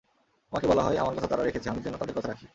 আমাকে বলা হয়, আমার কথা তারা রেখেছে, আমি যেন তাদের কথা রাখি।